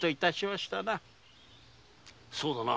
そうだな。